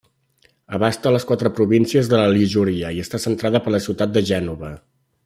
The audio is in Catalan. Abasta les quatre províncies de la Ligúria i està centrada per la ciutat de Gènova.